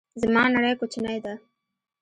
زما نړۍ کوچنۍ ده